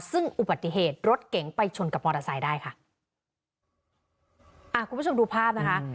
ซึ่งอุบัติเหตุรถเก๋งไปชนกับมอเตอร์ไซค์ได้ค่ะอ่าคุณผู้ชมดูภาพนะคะ